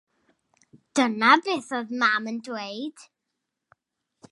Dyna beth oedd mam yn dweud.